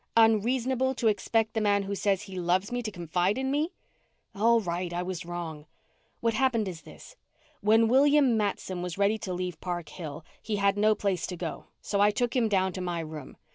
"Unreasonable to expect the man who says he loves me to confide in me?" "All right. I was wrong. What happened is this: When William Matson was ready to leave Park Hill, he had no place to go, so I took him down to my room.